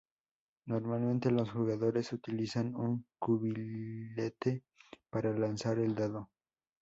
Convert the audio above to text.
Normalmente los jugadores utilizan un cubilete para lanzar el dado.